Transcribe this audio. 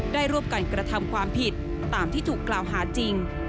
ได้ร่วมกันกระทำความผิดตามที่ถูกกล่าวหาจริง